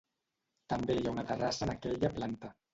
També hi ha una terrassa en aquella planta.